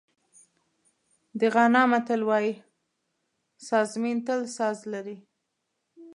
د غانا متل وایي سازمېن تل ساز لري.